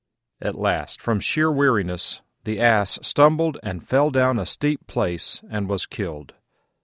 At last, from sheer weariness, the Ass stumbled and fell down a steep place and was killed.